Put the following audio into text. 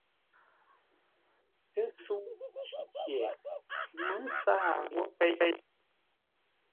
Tə́sə́u Cícye mə̌ ntsaa nghwó péi.